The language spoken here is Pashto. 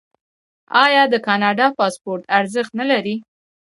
آیا د کاناډا پاسپورت ارزښت نلري؟